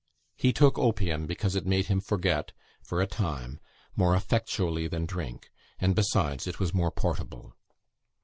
He took opium, because it made him forget for a time more effectually than drink; and, besides, it was more portable.